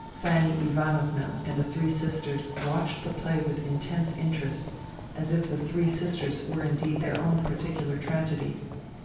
Fanny Ivanovna and the three sisters watched the play with intense interest, as if the Three Sisters were indeed their own particular tragedy.